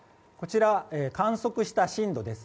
観測した震度です。